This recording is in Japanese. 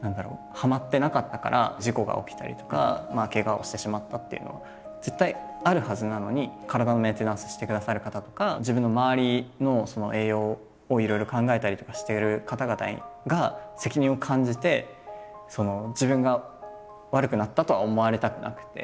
はまってなかったから事故が起きたりとかケガをしてしまったっていうのは絶対あるはずなのに体のメンテナンスしてくださる方とか自分の周りの栄養をいろいろ考えたりとかしてる方々が責任を感じて自分が悪くなったとは思われたくなくて。